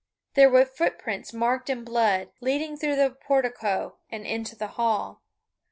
There were footprints marked in blood, leading through the portico and into the hall.